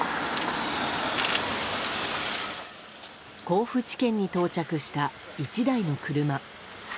甲府地検に到着した１台の車。